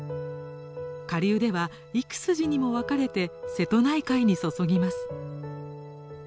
下流では幾筋にも分かれて瀬戸内海に注ぎます。